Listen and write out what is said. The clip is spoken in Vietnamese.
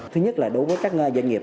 thứ nhất là đối với các doanh nghiệp